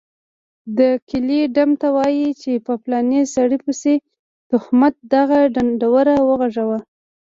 دکلي ډم ته وايي چي په پلاني سړي پسي دتهمت دغه ډنډوره وغږوه